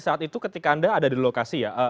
saat itu ketika anda ada di lokasi ya